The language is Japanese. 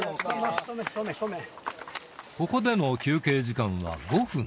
ここでの休憩時間は５分。